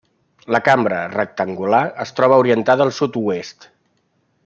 La cambra, rectangular, es troba orientada al sud-oest.